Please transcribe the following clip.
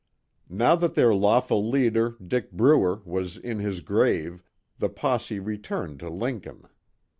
Now that their lawful leader, Dick Bruer, was in his grave, the posse returned to Lincoln.